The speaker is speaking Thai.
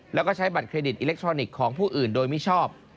แล้วก็ใช้บัตรเครดิตอิเล็กทรอนิกส์ของผู้อื่นโดยมิชอบ